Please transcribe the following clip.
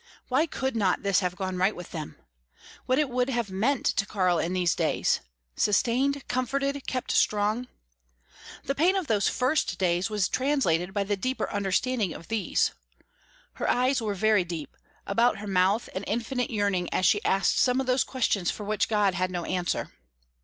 Why could not this have gone right with them? What it would have meant to Karl in these days! sustained, comforted, kept strong. The pain of those first days was translated by the deeper understanding of these. Her eyes were very deep, about her mouth an infinite yearning as she asked some of those questions for which God had no answer.